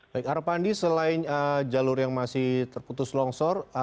baik arpandi selain jalur yang masih terputus longsor